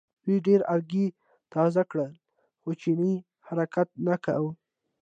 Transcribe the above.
دوی ډېر ارګی تازه کړل خو چیني حرکت نه کاوه.